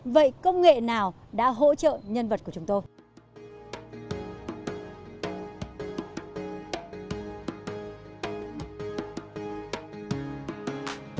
vậy công nghệ nào đã hỗ trợ nhân vật của chúng tôi